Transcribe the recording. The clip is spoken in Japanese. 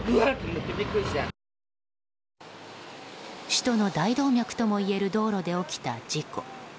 首都の大動脈といえる道路で起きた事故。